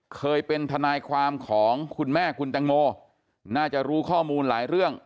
เคยเป็นทนายความของคุณแม่คุณแตงโมน่าจะรู้ข้อมูลหลายเรื่อง